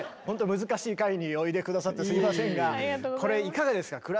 ほんと難しい回においで下さってすいませんがこれいかがですか？